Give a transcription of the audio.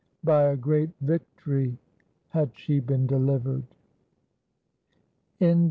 "By a great victory" had she been delivered.